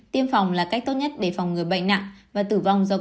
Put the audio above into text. tiêm phòng là cách tốt nhất để phòng người bệnh nặng và tử vong do covid một mươi chín